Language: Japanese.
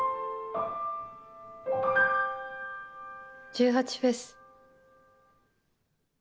１８祭。